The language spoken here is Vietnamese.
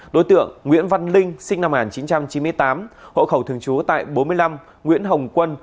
đối tượng nguyễn văn linh sinh năm một nghìn chín trăm chín mươi tám hộ khẩu thường trú tại bốn mươi năm nguyễn hồng quân